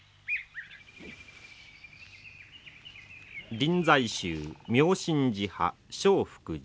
臨済宗妙心寺派祥福寺。